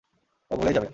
ও ভুলেই যাবে।